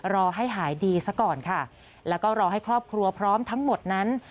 รอให้หายดีซะก่อนค่ะแล้วก็รอให้ครอบครัวพร้อมทั้งหมดนั้น